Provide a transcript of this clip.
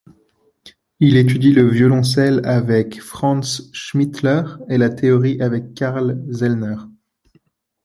Il étudie le violoncelle avec Franz Schmidtler et la théorie avec Carl Zellner.